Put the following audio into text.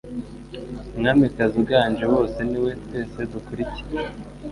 Umwamikazi uganje bose niwe twese dukurikira